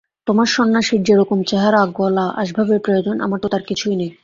তোমার সন্ন্যাসীর যেরকম চেহারা গলা এবং আসবাবের প্রয়োজন আমার তো তার কিছুই নেই।